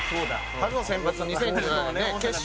春のセンバツ２０１７年のね決勝